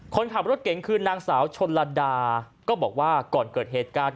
คนขับรถเก่งคือนางสาวชนลดาก็บอกว่าก่อนเกิดเหตุการณ์